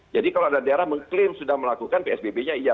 jadi kalau ada daerah mengklaim sudah melakukan psbb nya iya